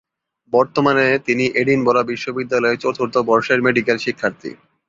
বর্তমানে তিনি এডিনবরা বিশ্ববিদ্যালয়ের চতুর্থ বর্ষের মেডিকেল শিক্ষার্থী।